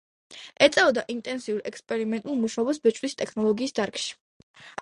ეწეოდა ინტენსიურ ექსპერიმენტულ მუშაობას ბეჭდვის ტექნოლოგიის დარგში.